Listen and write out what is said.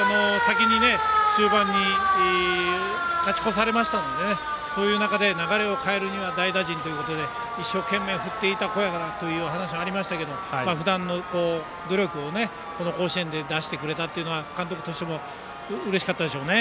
終盤に勝ち越されましたのでそういう中で流れを変えるには代打陣ということで一生懸命振っていた子だという話がありましたがふだんの努力を甲子園で出してくれたというのは監督としてもうれしかったでしょうね。